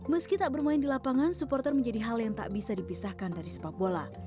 meski tak bermain di lapangan supporter menjadi hal yang tak bisa dipisahkan dari sepak bola